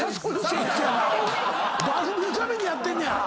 番組のためにやってんねや！